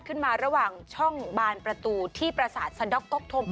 ขึ้นมาระหว่างช่องบานประตูที่ประสาทสะด๊อกก๊อกทม